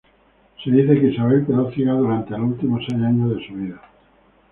Se dice que Isabel quedó ciega durante los últimos seis años de su vida.